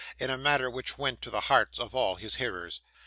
in a manner which went to the hearts of all his hearers.